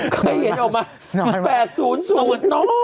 เคยเห็นออกมา๘๐๐น้อยจัง